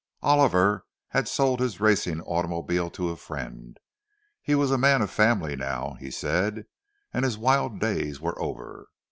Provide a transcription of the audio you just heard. Oliver had sold his racing automobile to a friend—he was a man of family now, he said, and his wild days were over.